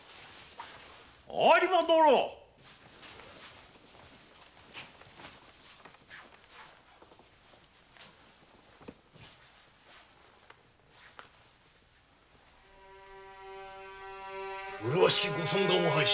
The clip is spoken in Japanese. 有馬殿麗しきご尊顔を拝し